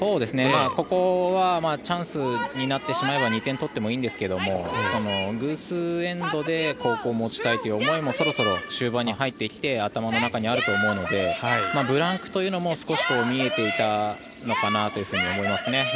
ここはチャンスになってしまえば２点を取っていいんですが偶数エンドで後攻を持ちたいという思いもそろそろ終盤に入ってきて頭の中にあると思うのでブランクというのも少し見えていたのかなと思いますね。